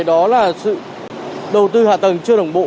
đó là sự đầu tư hạ tầng chưa đồng bộ